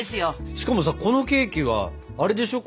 しかもさこのケーキはあれでしょ。